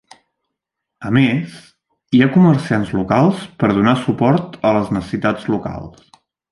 A més, hi ha comerciants locals per donar suport a les necessitats locals.